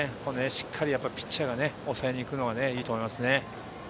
しっかりピッチャーが抑えに行くのがいいと思います。